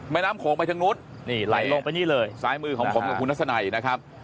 ไม่น้ำโขงไปทั้งนู้นไหลลงไปนี่เลยสายมือของผมกับคุณทรสไนนะครับ